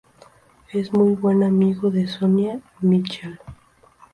Es muy buen amigo de Sonya Mitchell.